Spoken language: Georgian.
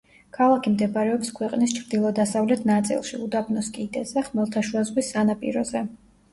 ქალაქი მდებარეობს ქვეყნის ჩრდილო-დასავლეთ ნაწილში, უდაბნოს კიდეზე, ხმელთაშუა ზღვის სანაპიროზე.